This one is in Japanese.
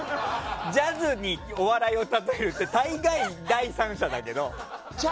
ジャズにお笑いを例えるって大概、第三者だけど。